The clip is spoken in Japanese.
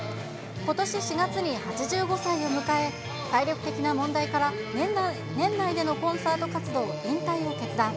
ことし４月に８５歳を迎え、体力的な問題から、年内でのコンサート活動の引退を決断。